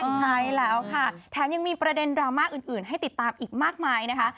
ใช่แล้วค่ะแถมยังมีประเด็นดราม่าอื่นให้ติดตามอีกมากมายนะคะ